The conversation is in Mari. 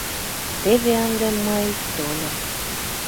Теве ынде мый тольым...